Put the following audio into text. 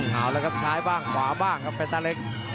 เอาละครับซ้ายบ้างขวาบ้างครับเป็นตาเล็ก